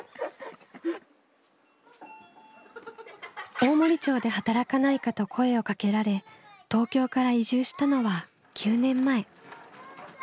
大森町で働かないかと声をかけられ東京から移住したのは９年前。